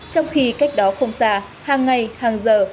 trong khi cách đó không xa hàng ngày hàng giờ